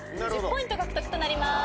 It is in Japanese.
１０ポイント獲得となります。